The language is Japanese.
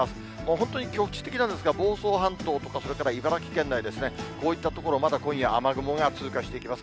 本当に局地的なんですが、房総半島とか、それから茨城県内ですね、こういった所、まだ今夜、雨雲が通過していきます。